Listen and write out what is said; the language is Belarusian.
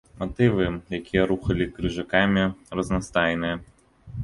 Матывы, якія рухалі крыжакамі, разнастайныя.